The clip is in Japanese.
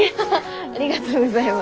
ありがとうございます。